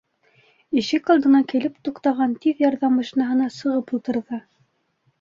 Ишек алдына килеп туҡтаған «Тиҙ ярҙам» машинаһына сығып ултырҙы.